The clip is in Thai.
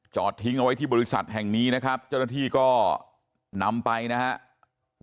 ทิ้งเอาไว้ที่บริษัทแห่งนี้นะครับเจ้าหน้าที่ก็นำไปนะครับ